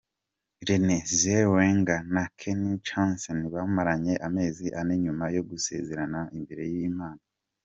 Renée Zellwenger na Kenny Chesney bamaranye amezi ane nyuma yo gusezerana imbere y’ Imana.